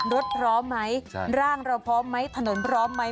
รถพร้อมไหมร่างเราพร้อมไหมถนนพร้อมไหม